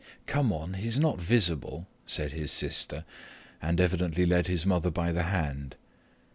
"Come on; he's not visible," said his sister, and evidently led his mother by the hand.